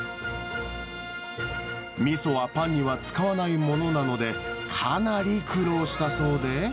みそはパンには使わないものなので、かなり苦労したそうで。